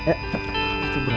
eh itu berapa